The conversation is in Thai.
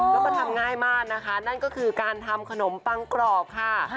แล้วก็ทำง่ายมากนะคะนั่นก็คือการทำขนมปังกรอบค่ะ